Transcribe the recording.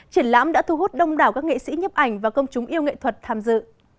triển lãm đã thu hút đông đảo các nghệ sĩ nhấp ảnh và công chúng yêu nghệ thuật tham dự